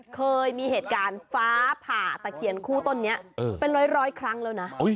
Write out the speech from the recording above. เคยมีเหตุการณ์ฟ้าผ่าตะเคียนคู่ต้นนี้เป็นร้อยครั้งแล้วนะ